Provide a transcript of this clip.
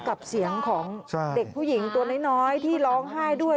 กับเสียงของเด็กผู้หญิงตัวน้อยที่ร้องไห้ด้วย